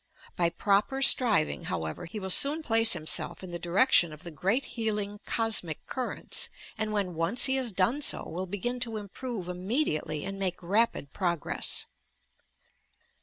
By proper striving, however, he will soon place himself in the direction of the great healing Cosmic Cur rents, and when once he has done so will begin to improve immediately and make rapid progress.